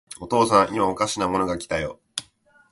お父さん、いまおかしなものが来たよ。